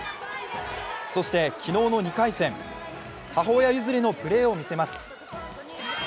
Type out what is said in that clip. そして昨日の２回戦、母親譲りのプレーを見せます。